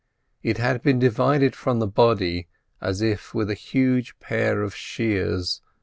It had been divided from the body as if with a huge pair of shears.